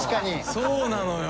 そうなのよ。